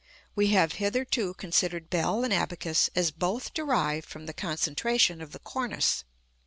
We have hitherto considered bell and abacus as both derived from the concentration of the cornice.